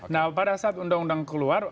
nah pada saat undang undang keluar